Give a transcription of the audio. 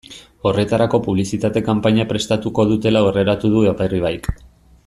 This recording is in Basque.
Horretarako publizitate kanpaina prestatuko dutela aurreratu du Aperribaik.